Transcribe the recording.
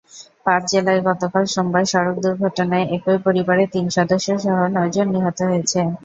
পাঁচ জেলায় গতকাল সোমবার সড়ক দুর্ঘটনায় একই পরিবারের তিন সদস্যসহ নয়জন নিহত হয়েছেন।